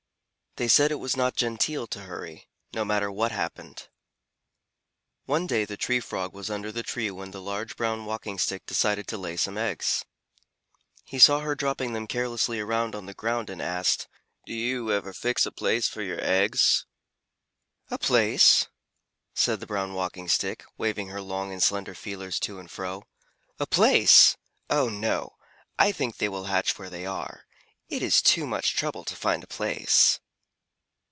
They said it was not genteel to hurry, no matter what happened. One day the Tree Frog was under the tree when the large Brown Walking Stick decided to lay some eggs. He saw her dropping them carelessly around on the ground, and asked, "Do you never fix a place for your eggs?" "A place?" said the Brown Walking Stick, waving her long and slender feelers to and fro. "A place? Oh, no! I think they will hatch where they are. It is too much trouble to find a place."